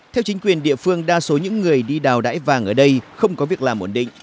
theo chính quyền địa phương đa số những người đi đào đải vàng ở đây không có việc làm ổn định